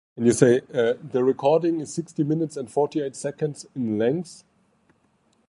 The recording is sixty minutes and forty-eight seconds in length.